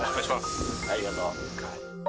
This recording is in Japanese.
ありがとう。